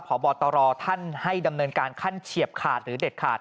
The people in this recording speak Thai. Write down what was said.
พบตรท่านให้ดำเนินการขั้นเฉียบขาดหรือเด็ดขาด